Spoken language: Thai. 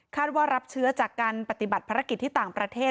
ว่ารับเชื้อจากการปฏิบัติภารกิจที่ต่างประเทศ